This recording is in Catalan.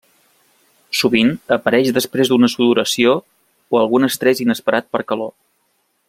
Sovint, apareix després d'una sudoració o algun estrès inesperat per calor.